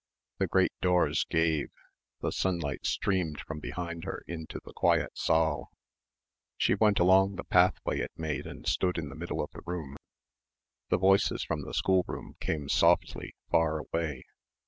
The great doors gave, the sunlight streamed from behind her into the quiet saal. She went along the pathway it made and stood in the middle of the room. The voices from the schoolroom came softly, far away.